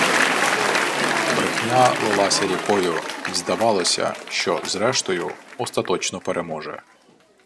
Брехня лилася рікою, й здавалося, що, зрештою, остаточно переможе